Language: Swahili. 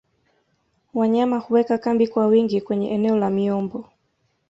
wanyama huweka kambi kwa wingi kwenye eneo la miombo